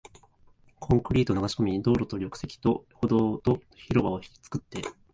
コンクリートを流し込み、道路と縁石と歩道と広場を作って